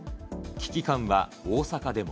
危機感は大阪でも。